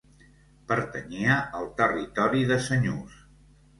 Pertanyia al territori de Senyús.